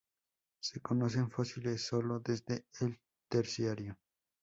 Se conocen fósiles sólo desde el Terciario.